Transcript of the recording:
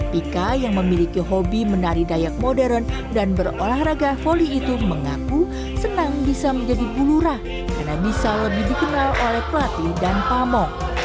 pika yang memiliki hobi menari dayak modern dan berolahraga volley itu mengaku senang bisa menjadi bulurah karena bisa lebih dikenal oleh pelatih dan pamo